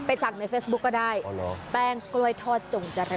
สั่งในเฟซบุ๊คก็ได้แป้งกล้วยทอดจงเจริญ